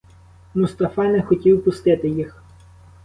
Мустафа не хотів пустити їх.